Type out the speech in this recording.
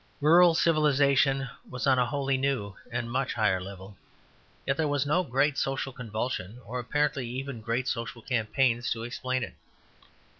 Rural civilization was on a wholly new and much higher level; yet there was no great social convulsions or apparently even great social campaigns to explain it.